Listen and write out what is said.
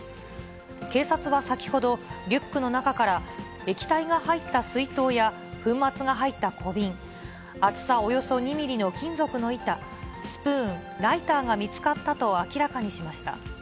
警察は先ほど、リックの中から、液体が入った水筒や粉末が入った小瓶、厚さおよそ２ミリの金属の板、スプーン、ライターが見つかったと明らかにしました。